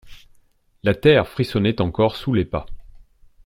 La terre frissonnait encore sous les pas.